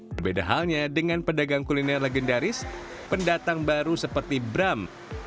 berbeda halnya dengan pedagang kuliner legendaris pendatang baru seperti bram